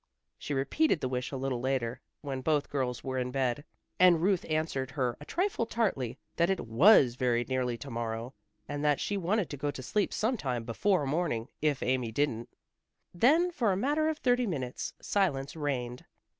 She repeated the wish a little later, when both girls were in bed, and Ruth answered her a trifle tartly that it was very nearly to morrow, and that she wanted to go to sleep some time before morning, if Amy didn't. Then for a matter of thirty minutes silence reigned.